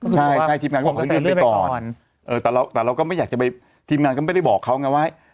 ใช่ทีมงานเขาบอกว่าเขาเลื่อนไปก่อนแต่ทีมงานก็ไม่ได้บอกเขาไงว่า